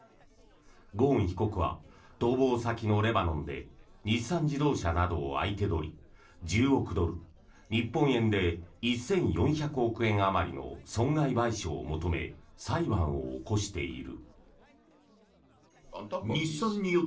ゴーン被告は逃亡先のレバノンで日産自動車などを相手取り１０億ドル日本円で１４００億円あまりの損害賠償を求め裁判を起こしている。